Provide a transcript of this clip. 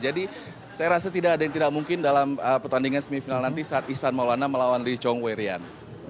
jadi saya rasa tidak ada yang tidak mungkin dalam pertandingan semifinal nanti saat ihsan maulana melawan lee chong wei rian